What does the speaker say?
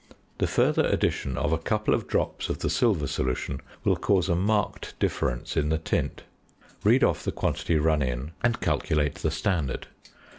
The further addition of a couple of drops of the silver solution will cause a marked difference in the tint. Read off the quantity run in, and calculate the standard.